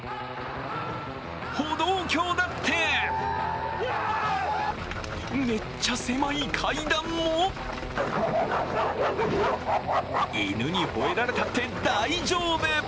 歩道橋だってめっちゃ狭い階段も犬にほえられたって大丈夫！